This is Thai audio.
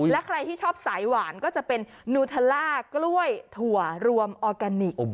และใครที่ชอบสายหวานก็จะเป็นนูทาล่ากล้วยถั่วรวมออร์แกนิค